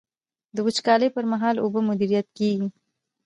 د وچکالۍ پر مهال اوبه مدیریت کیږي.